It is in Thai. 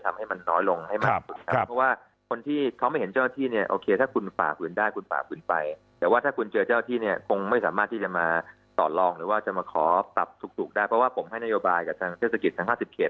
ตรับถูกได้เพราะว่าผมให้นโยบายกับทางเทศกิจทาง๕๐เคต